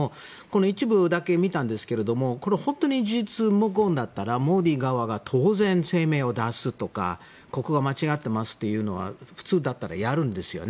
一部だけ見たんですけれどもこれ本当に事実無根だったらモディ側が当然、声明を出すとかここは間違っていますというのは普通だったらやるんですよね。